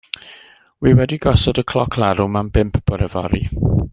Wi wedi gosod y cloc larwm am bump bore fory.